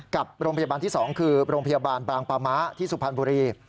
กับโรงพยาบาลที่๒คือโรงพยาบาลบางปามะที่สุพรรณบุรี